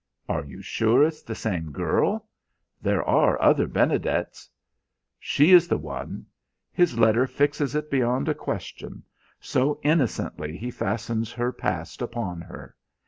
"Are you sure it's the same girl? There are other Benedets." "She is the one. His letter fixes it beyond a question so innocently he fastens her past upon her!